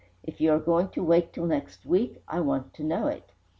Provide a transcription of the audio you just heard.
If you are going to wait till next week, I want to know it.